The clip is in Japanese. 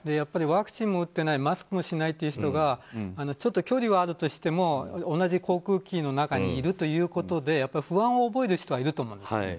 ワクチンも打っていないマスクもしないという人がちょっと距離はあるとしても同じ航空機の中にいるということで不安を覚える人はいると思うんです。